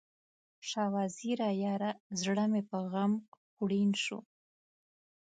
شاه وزیره یاره، زړه مې په غم خوړین شو